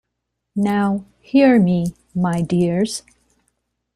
Now, hear me, my dears!